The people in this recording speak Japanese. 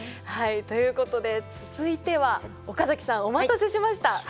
はいということで続いては岡崎さんお待たせしました。